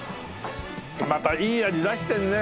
またいい味出してるね。